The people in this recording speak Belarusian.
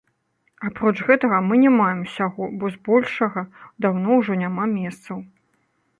Апроч гэтага, мы не маем усяго, бо збольшага даўно ўжо няма месцаў.